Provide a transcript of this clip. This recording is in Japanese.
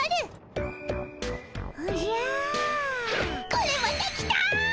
これまたきた！